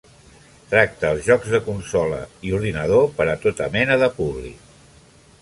Tracta els jocs de consola i ordinador per a tota mena de públic.